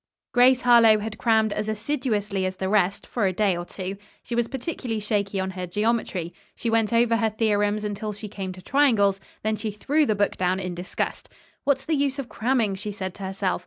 Grace Harlowe had crammed as assiduously as the rest, for a day or two. She was particularly shaky on her geometry. She went over her theorems until she came to triangles, then she threw the book down in disgust. "What's the use of cramming?" she said to herself.